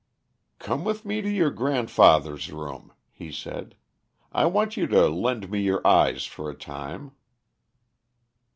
"Come with me to your grandfather's room," he said. "I want you to lend me your eyes for a time."